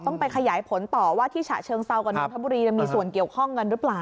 ต้องไปขยายผลต่อว่าที่ฉะเชิงเซากับนนทบุรีมีส่วนเกี่ยวข้องกันหรือเปล่า